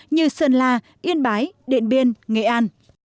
như sơn la yên bái đện biên nghệ an